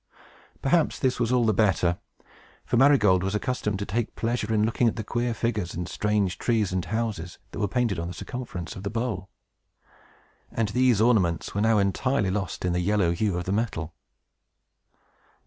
Perhaps this was all the better; for Marygold was accustomed to take pleasure in looking at the queer figures, and strange trees and houses, that were painted on the circumference of the bowl; and these ornaments were now entirely lost in the yellow hue of the metal.